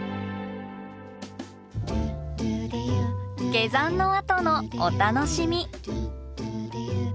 下山のあとのお楽しみ。